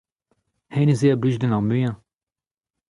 hennezh eo a blij din ar muiañ.